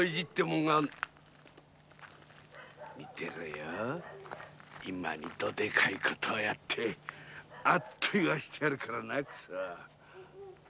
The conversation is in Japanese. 見てろよ今にどでかい事やってあッと言わせてやるからな。